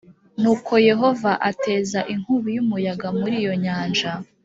Nuko Yehova ateza inkubi y umuyaga muri iyo nyanja